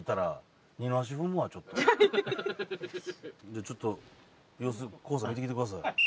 じゃあちょっと様子ＫＯＯさん見てきてください。